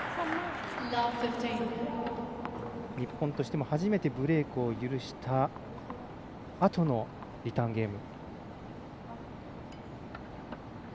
日本としても初めてブレークを許したあとのリターンゲーム。